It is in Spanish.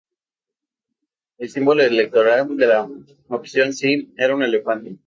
El símbolo electoral de la opción "Si" era un elefante.